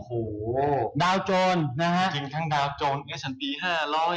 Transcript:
โอ้โหดาวโจรนะฮะจริงทั้งดาวโจรเอชันปีห้าร้อย